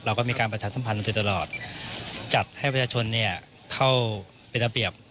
เราก็มีการประชาสัมพันธ์มาโดยตลอดจัดให้ประชาชนเข้าเป็นระเบียบ